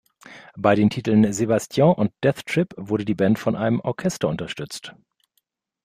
Bei den Titeln "Sebastian" und "Death Trip" wurde die Band von einem Orchester unterstützt.